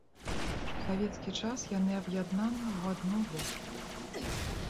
У савецкі час яны аб'яднаны ў адну вёску.